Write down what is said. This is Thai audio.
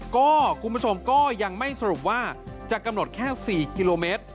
ก็คุณผู้ชมก็ยังไม่สรุปว่าจะกำหนดแค่๔กิโลเมตร